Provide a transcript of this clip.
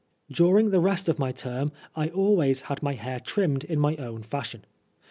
During the rest of my term I always had my hair trimmed in tiiy own fashion.